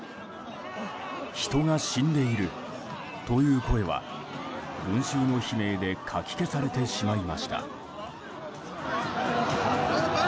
人が死んでいるという声は群衆の悲鳴でかき消されてしまいました。